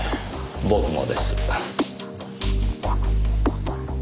僕もです。